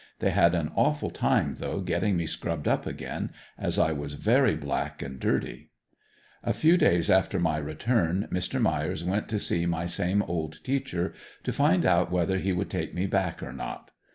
They had an awful time though getting me scrubbed up again, as I was very black and dirty. A few days after my return Mr. Myers went to see my same old teacher to find out whether he would take me back or not.